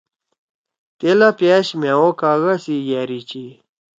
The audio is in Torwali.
تیلا پأش مھأوو کاگا سی یأری چھی